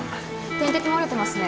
点滴漏れてますね。